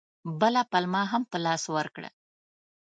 بله پلمه هم په لاس ورکړه.